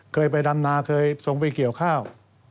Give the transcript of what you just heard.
เคยไปดำนาเคยทรงไปเกี่ยวข้าว